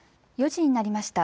４時になりました。